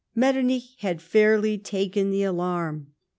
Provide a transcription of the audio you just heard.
* Metternich had fairly taken the alarm.